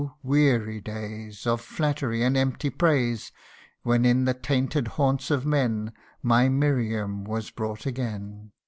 weary days, Of flattery and empty praise, When in the tainted haunts of men My Miriam was brought again.